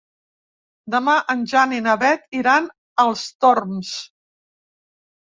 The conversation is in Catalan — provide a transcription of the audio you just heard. Demà en Jan i na Beth iran als Torms.